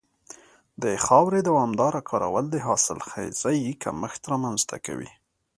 د خاورې دوامداره کارول د حاصلخېزۍ کمښت رامنځته کوي.